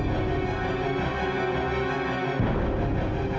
itu biar saya pulih